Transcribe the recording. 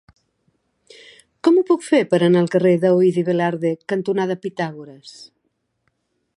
Com ho puc fer per anar al carrer Daoíz i Velarde cantonada Pitàgores?